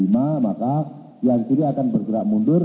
maka yang kiri akan bergerak mundur